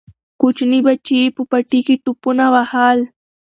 کوچني بچي یې په پټي کې ټوپونه وهل.